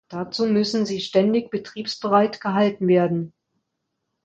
Dazu müssen sie ständig betriebsbereit gehalten werden.